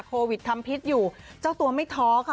โควิดทำพิษอยู่เจ้าตัวไม่ท้อค่ะ